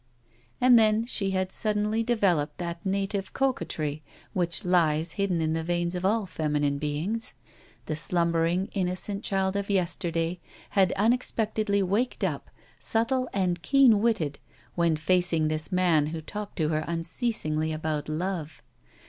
And then she had suddenly developed that native coquetry which lies hidden in the veins of all feminine beings. The slumbering, innocent child of yesterday had unexpectedly waked up, subtle and keen witted, when facing this man who talked to her unceasingly about love.